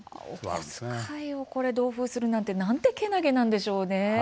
お小遣いを同封するなんてなんて、けなげなんでしょうね。